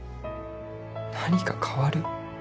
何か変わる？